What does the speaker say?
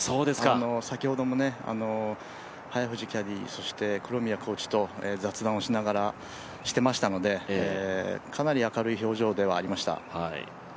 先ほども早藤キャディー、そして黒宮コーチと雑談をしていましたのでかなり明るい表情ではありました。